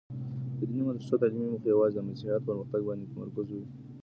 د دیني مدرسو تعلیمي موخې یوازي د مسیحیت پرمختګ باندې متمرکز وې.